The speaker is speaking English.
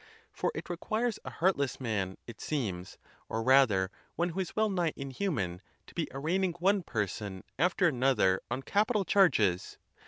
For it requires a heartless man, it seems, or rather one who is well nigh inhuman, to be arraign ing one person after another on capital charges."